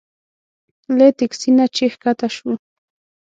له تکسي نه چې ښکته شوو.